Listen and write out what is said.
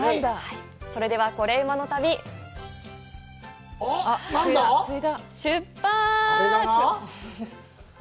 それでは「コレうまの旅」、出発！